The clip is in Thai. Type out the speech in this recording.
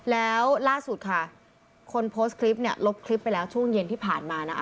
แล้วล่าสุดค่ะคนโพสต์คลิปเนี่ยลบคลิปไปแล้วช่วงเย็นที่ผ่านมานะ